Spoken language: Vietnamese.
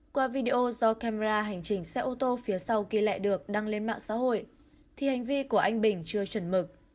qua video do camera hành trình xe ô tô phía sau ghi lẹ được đăng lên mạng xã hội thì hành vi của anh bình chưa trần mực